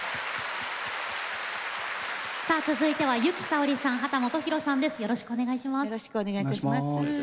続いては由紀さおりさん、秦基博さんです。